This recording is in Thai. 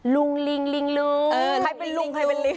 ลุงลิงลิงลุง